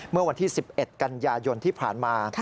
เมื่อวันที่๑๑กันยายนที่ผ่านมา